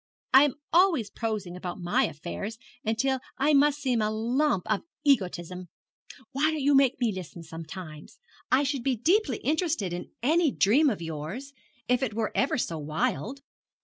'I am always prosing about my affairs, until I must seem a lump of egotism. Why don't you make me listen sometimes? I should be deeply interested in any dream of yours, if it were ever so wild.'